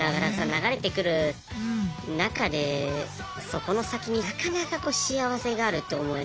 流れてくる中でそこの先になかなか幸せがあると思えない。